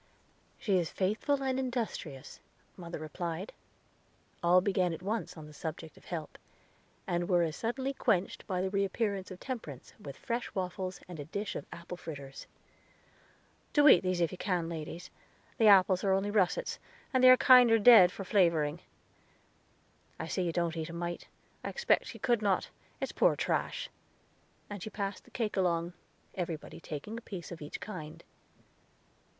"She is faithful and industrious," mother replied. All began at once on the subject of help, and were as suddenly quenched by the reappearance of Temperance, with fresh waffles, and a dish of apple fritters. "Do eat these if you can, ladies; the apples are only russets, and they are kinder dead for flavoring. I see you don't eat a mite; I expected you could not; it's poor trash." And she passed the cake along, everybody taking a piece of each kind.